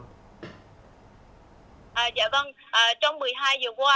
dạ vâng trong một mươi hai h qua